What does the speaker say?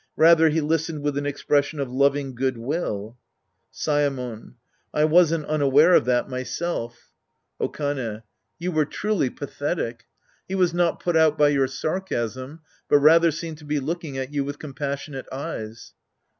Rather he listened with an expression of loving good will. Saemon. I wasn't unaware of that myself. Sc. II The Priest and His Disciples 41 Okane. You g£sg truly pathetic. He was not put out by your sarcasm, but rather seemed to be looking at you with compassionate eyes.